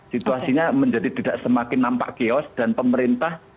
situasinya menjadi tidak semakin nampak kios dan pemerintah